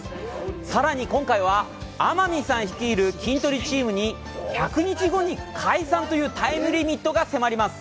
さらに、今回は天海さん率いるキントリチームに「１００日後に解散」というタイムリミットが迫ります！